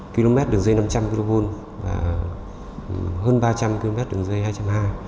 km đường dây năm trăm linh km và hơn ba trăm linh km đường dây hai trăm hai mươi km